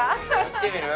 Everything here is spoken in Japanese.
いってみる？